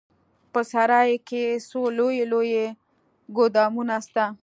په سراى کښې څو لوى لوى ګودامونه سته.